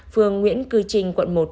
phường nguyễn cư trinh quận một